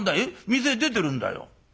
店へ出てるんだよ。